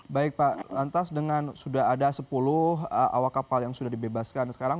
baik pak lantas dengan sudah ada sepuluh awak kapal yang sudah dibebaskan sekarang